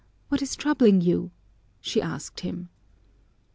What is troubling you?" she asked him.